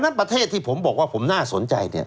ประเทศที่ผมบอกว่าผมน่าสนใจ